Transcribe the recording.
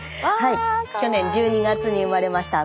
去年１２月に生まれました。